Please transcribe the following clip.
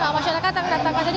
masyarakat yang datang ke sini